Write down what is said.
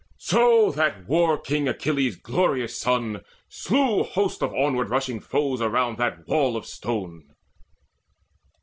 So that war king Achilles' glorious son Slew hosts of onward rushing foes around That wall of stone.